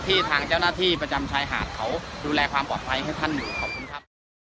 ทางเจ้าหน้าที่ประจำชายหาดเขาดูแลความปลอดภัยให้ท่านอยู่ขอบคุณครับ